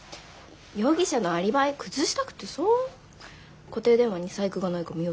容疑者のアリバイ崩したくてさ固定電話に細工がないか見ようと思って。